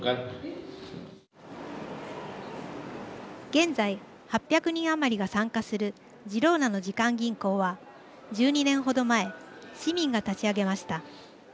現在、８００人余りが参加するジローナの時間銀行は１２年ほど前市民が立ち上げました。